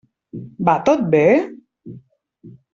Va tot bé?